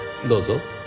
どうぞ。